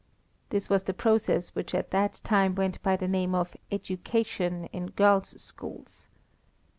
This was the process which at that time went by the name of education in girls' schools.